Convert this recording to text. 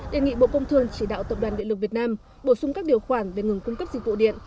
đề nghị bộ công thương chỉ đạo tập đoàn điện lực việt nam bổ sung các điều khoản về ngừng cung cấp dịch vụ điện